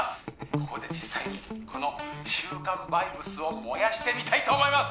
ここで実際にこの週刊バイブスを燃やしてみたいと思います